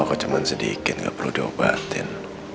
aku cuman sedikit gak perlu diobatin